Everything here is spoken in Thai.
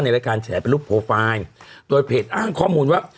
รายการแฉเป็นรูปโปรไฟล์โดยเพจอ้างข้อมูลว่า